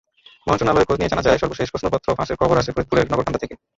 মন্ত্রণালয়ে খোঁজ নিয়ে জানা যায়, সর্বশেষ প্রশ্নপত্র ফাঁসের খবর আসে ফরিদপুরের নগরকান্দা থেকে।